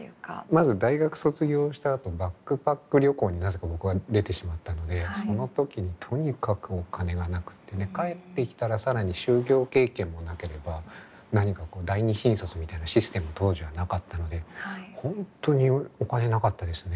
まず大学卒業したあとバックパック旅行になぜか僕は出てしまったのでその時にとにかくお金がなくてね帰ってきたら更に就業経験もなければ何か第２新卒みたいなシステム当時はなかったので本当にお金なかったですね。